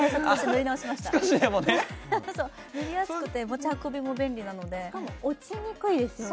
塗りやすくて持ち運びも便利なのでしかも落ちにくいですよね